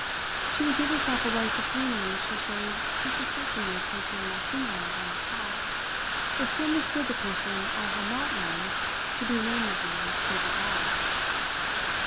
She would give herself away supremely if she showed she suspected me of placing my finger on the spot if she understood the person I had not named to be nameable as Gilbert Long.